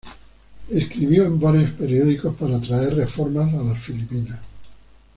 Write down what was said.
Escribió en varios periódicos para traer reformas a las Filipinas.